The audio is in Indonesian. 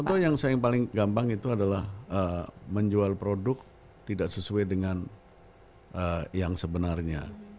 contoh yang paling gampang itu adalah menjual produk tidak sesuai dengan yang sebenarnya